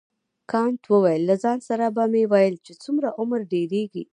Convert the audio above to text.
کانت وویل له ځان سره به مې ویل چې څومره عمر ډیریږي.